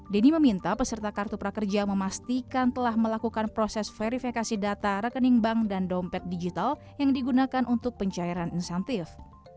denny meminta peserta kartu prakerja memastikan telah melakukan proses verifikasi data rekening bank dan dompet digital yang digunakan untuk pencairan insentif